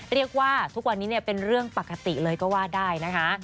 เรียกว่าทุกวันนี้เป็นเรื่องปกติเลยก็ว่าได้นะคะ